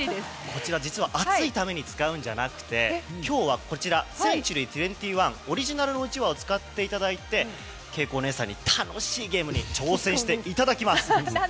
こちら、実は暑いために使うんじゃなくて今日はセンチュリー２１オリジナルのうちわを使っていただいて景子お姉さんに楽しいゲームに挑戦していただきます。